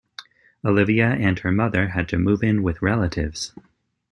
Olivia and her mother had to move in with relatives.